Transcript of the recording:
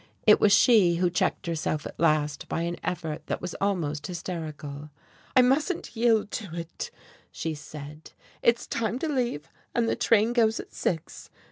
It was she who checked herself at last by an effort that was almost hysterical. "I mustn't yield to it!" she said. "It's time to leave and the train goes at six.